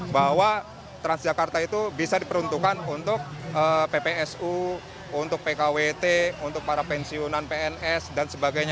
bahwa transjakarta itu bisa diperuntukkan untuk ppsu untuk pkwt untuk para pensiunan pns dan sebagainya